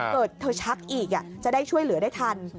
เกิดเธอชักอีกจะได้ช่วยเหลือได้ทัน